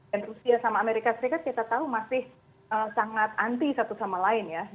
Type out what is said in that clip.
dan rusia sama amerika serikat kita tahu masih sangat anti satu sama lain ya